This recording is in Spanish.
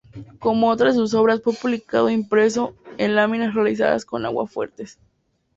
Como otras de sus obras, fue publicado e impreso en láminas realizadas con aguafuerte.